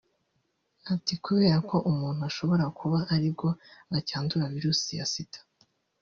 Ati ʺKubera ko umuntu ashobora kuba aribwo acyandura Virus ya Sida